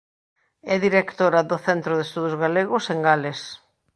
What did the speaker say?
É directora do Centro de Estudos Galegos en Gales.